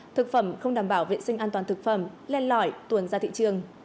thực phẩm không đảm bảo vệ sinh an toàn thực phẩm lên lõi tuần ra thị trường